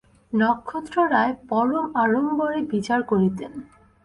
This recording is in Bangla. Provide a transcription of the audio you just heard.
নক্ষত্ররায় পরম আড়ম্বরে বিচার করিতেন।